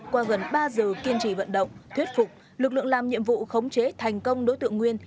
qua gần ba giờ kiên trì vận động thuyết phục lực lượng làm nhiệm vụ khống chế thành công đối tượng nguyên